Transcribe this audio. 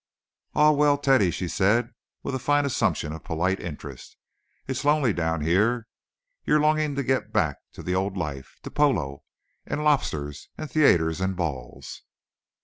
"Ah, well, Teddy," she said, with a fine assumption of polite interest, "it's lonely down here; you're longing to get back to the old life—to polo and lobsters and theatres and balls."